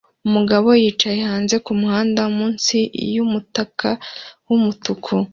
Umugabo yicaye hanze kumuhanda munsi yumutaka wumutuku